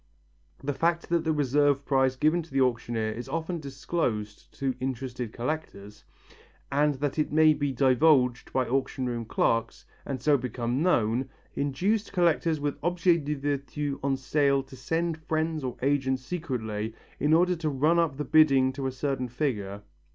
The fact that the reserve price given to the auctioneer is often disclosed to interested collectors, and that it may be divulged by auction room clerks and so become known, induced collectors with objets de virtu on sale to send friends or agents secretly, in order to run up the bidding to a certain figure.